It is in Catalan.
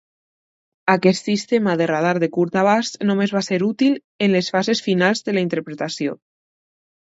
Aquest sistema de radar de curt abast només va ser útil en les fases finals de la intercepció.